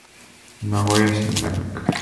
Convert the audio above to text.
名古屋市南区